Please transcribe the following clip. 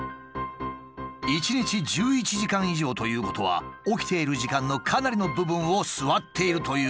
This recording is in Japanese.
１日１１時間以上ということは起きている時間のかなりの部分を座っているということじゃないか。